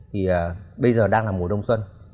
thì bây giờ đang là mùa đông xuân